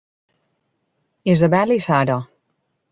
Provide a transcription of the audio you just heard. Isabel i Sara.